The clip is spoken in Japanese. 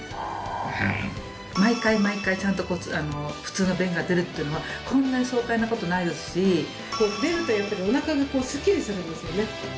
うん毎回毎回ちゃんと普通の便が出るっていうのはこんなに爽快なことないですし出るとやっぱりおなかがすっきりするんですよね